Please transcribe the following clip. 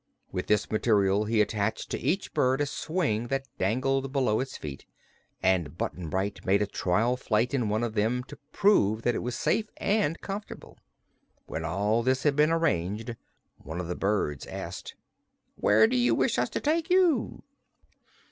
With this material he attached to each bird a swing that dangled below its feet, and Button Bright made a trial flight in one of them to prove that it was safe and comfortable. When all this had been arranged one of the birds asked: "Where do you wish us to take you?"